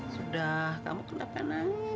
sudah kamu kenapa nangis